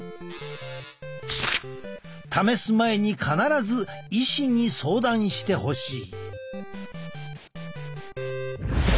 試す前に必ず医師に相談してほしい。